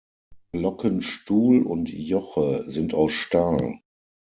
Glockenstuhl und -joche sind aus Stahl.